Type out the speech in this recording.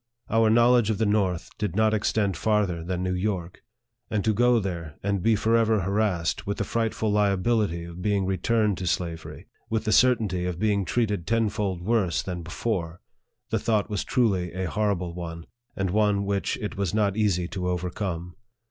Our knowledge of the north did not extend farther than New York ; and to go there, and be forever harassed with the frightful liability of being returned to slavery with the certainty of being treated tenfold worse than before the thought was truly a horrible one, and one which it was not easy to overcome.